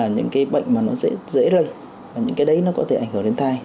những cái bệnh mà nó dễ lây những cái đấy nó có thể ảnh hưởng đến thai